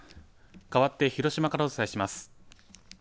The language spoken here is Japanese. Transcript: かわって広島からお伝えします。